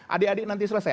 adik adik nanti selesai